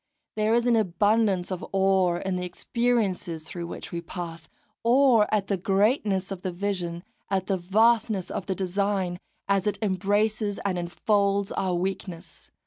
There is an abundance of awe in the experiences through which we pass, awe at the greatness of the vision, at the vastness of the design, as it embraces and enfolds our weakness.